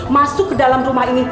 masuk ke dalam rumah ini juga ya